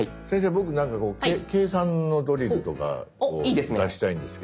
僕なんかこう計算のドリルとかを出したいんですけど。